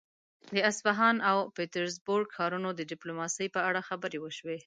د اصفهان او پيترزبورګ ښارونو د ډيپلوماسي په اړه خبرې وشوې.